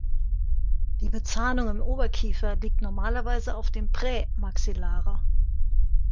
Die Bezahnung im Oberkiefer liegt normalerweise auf dem Prämaxillare.